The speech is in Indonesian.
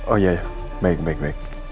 oh ya baik baik baik